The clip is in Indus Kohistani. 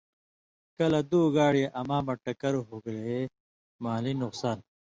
کلہۡ دُو گاڑی اما مہ ٹکر ہُوگلے مالی نُقصان